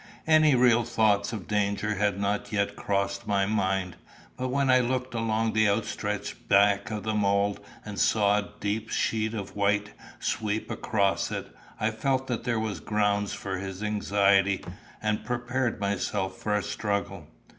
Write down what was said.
Any real thought of danger had not yet crossed my mind. But when I looked along the outstretched back of the mole, and saw a dim sheet of white sweep across it, I felt that there was ground for his anxiety, and prepared myself for a struggle.